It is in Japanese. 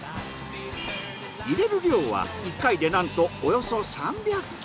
入れる量は１回でなんとおよそ３００ｋｇ。